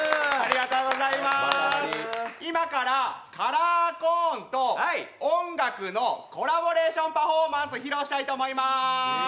今からカラーコーンと音楽のコラボレーションパフォーマンス披露したいと思います。